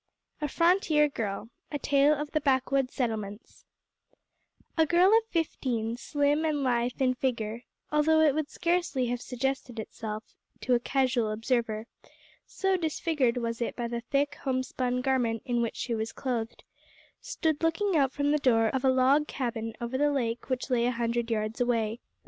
A FRONTIER GIRL A TALE OF THE BACKWOOD SETTLEMENTS A girl of fifteen, slim and lithe in figure although it would scarcely have suggested itself to a casual observer, so disfigured was it by the thick, homespun garment in which she was clothed stood looking out from the door of a log cabin over the lake which lay a hundred yards away.